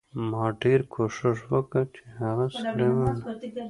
ما ډېر کوښښ وکړ چې هغه سړی ووینم